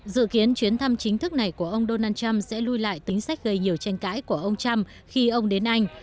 dự kiến chuyến thăm chính thức này của ông donald trump sẽ lùi lại tính sách gây nhiều tranh cãi của ông trump khi ông đến anh